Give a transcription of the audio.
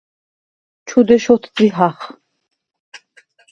ჩუ დეშ ოთზიჰახ.